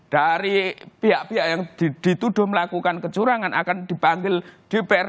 dari pihak pihak yang dituduh melakukan kecurangan akan dipanggil dpr